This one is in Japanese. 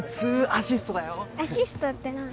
アシストって何？